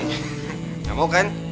enggak mau kan